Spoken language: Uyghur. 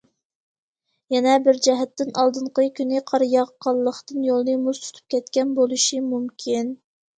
يەنە بىر جەھەتتىن ئالدىنقى كۈنى قار ياغقانلىقتىن، يولنى مۇز تۇتۇپ كەتكەن بولۇشى مۇمكىن.